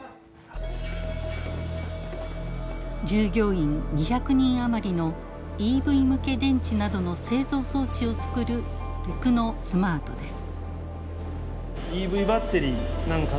従業員２００人余りのＥＶ向け電池などの製造装置をつくるテクノスマートです。